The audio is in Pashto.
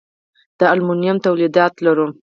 د المونیم تولیدات لرو؟